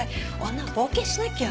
女は冒険しなきゃ。